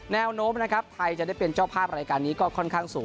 แนวโน้มนะครับไทยจะได้เป็นเจ้าภาพรายการนี้ก็ค่อนข้างสูง